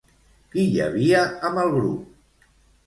Qui hi havia amb el grup?